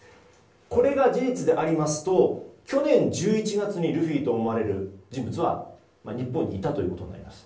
これが事実ですと去年１１月にルフィと思われる人物は日本にいたということになります。